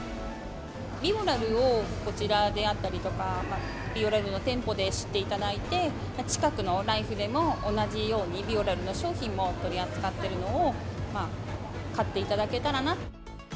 ビオラルをこちらであったりとか、ビオラルの店舗で知っていただいて、近くのライフでも同じように、ビオラルの商品も取り扱っているのを、買っていただけたらな。